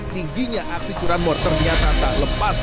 tingginya aksi curanmor ternyata tak lepas